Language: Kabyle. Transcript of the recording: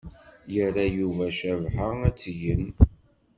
Yerra Yuba Cabḥa ad tgen.